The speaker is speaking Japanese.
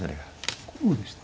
こうでした？